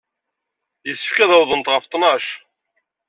Yessefk ad awḍent ɣef ttnac.